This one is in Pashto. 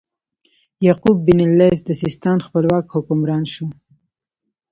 یعقوب بن اللیث د سیستان خپلواک حکمران شو.